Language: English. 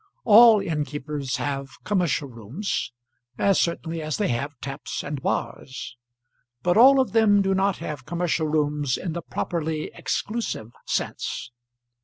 All inn keepers have commercial rooms, as certainly as they have taps and bars, but all of them do not have commercial rooms in the properly exclusive sense.